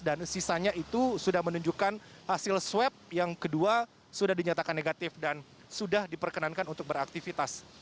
dan sisanya itu sudah menunjukkan hasil swab yang kedua sudah dinyatakan negatif dan sudah diperkenankan untuk beraktifitas